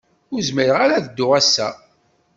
Ur zmireɣ ara ad dduɣ ass-a.